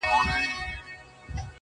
یوسف په خوب کي لټومه زلیخا ووینم؛